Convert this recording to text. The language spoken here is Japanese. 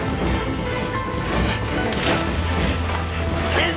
先生！！